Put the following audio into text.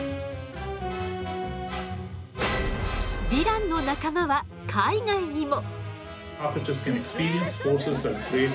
ヴィランの仲間は海外にも！